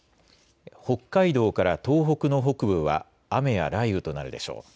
北海道から東北の北部は雨や雷雨となるでしょう。